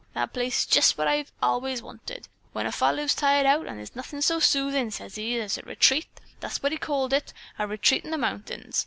That place is jest what I've allays wanted. When a fellow's tired out, there's nothin' so soothin',' sez he, 'as a retreat,' that's what he called it, 'a retreat in the mountains.'